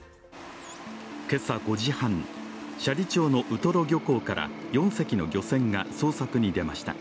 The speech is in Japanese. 今朝５時半、斜里町のウトロ漁港から４隻の漁船が捜索に出ました。